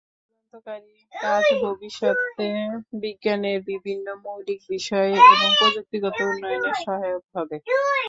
এই যুগান্তকারী কাজ ভবিষ্যতে বিজ্ঞানের বিভিন্ন মৌলিক বিষয়ে এবং প্রযুক্তিগত উন্নয়নে সহায়ক হবে।